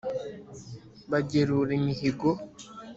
bagerura imihigo"